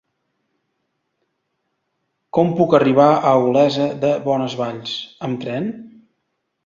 Com puc arribar a Olesa de Bonesvalls amb tren?